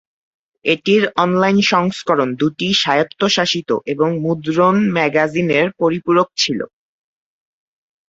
এটির অনলাইন সংস্করণ দুটি স্বায়ত্তশাসিত এবং মুদ্রণ ম্যাগাজিনের পরিপূরক ছিল।